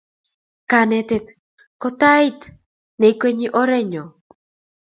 Kanetet ko tait ne ikwenyi orenyo